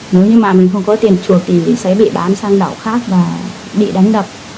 nếu như mà mình không có tiền chuộc thì mình sẽ bị bán sang đảo khác và bị đánh đập